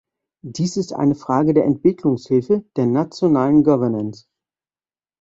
Dies ist eine Frage der Entwicklungshilfe, der nationalen Governance.